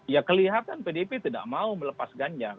ya kelihatan pdip tidak mau melepas ganjar